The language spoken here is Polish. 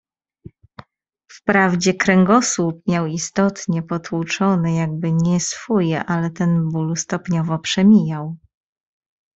"Wprawdzie kręgosłup miał istotnie potłuczony, jakby nie swój, ale ten ból stopniowo przemijał."